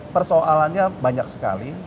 persoalannya banyak sekali